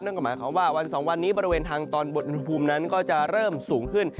นั่นก็หมายความว่าวันสองวันนี้บริเวณทางตอนบนอุณหภูมินั้นก็จะเริ่มสูงขึ้น